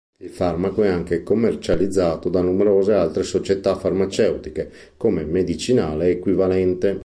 Il farmaco è anche commercializzato da numerose altre società farmaceutiche come medicinale equivalente.